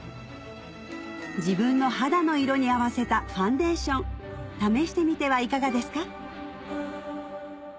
自分の肌の色に合わせたファンデーション試してみてはいかがですか？